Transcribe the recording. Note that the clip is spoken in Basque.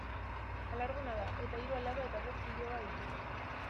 Alarguna da eta hiru alaba eta bost biloba ditu.